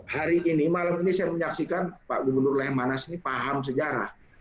hari ini malam ini saya menyaksikan pak gubernur lehmanas ini paham sejarah